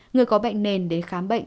người có bệnh nền đến khám bệnh